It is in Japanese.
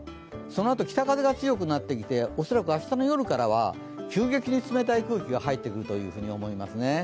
そのあと北風が強くなってきて、恐らく明日の夜からは急激に冷たい空気が入ってくると思いますね。